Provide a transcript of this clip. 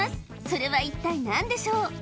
それは一体何でしょう？